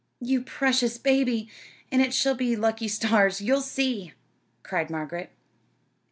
"You precious baby! And it shall be 'lucky stars' you'll see!" cried Margaret.